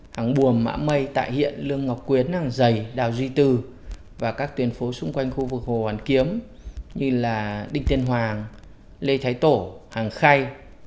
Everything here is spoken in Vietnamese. hàng buồm mã mây tại hiện lương ngọc quyến hàng dày đào duy tư và các tuyến phố xung quanh khu vực hồ hoàn kiếm như đinh tiên hoàng lê thái tổ hàng khay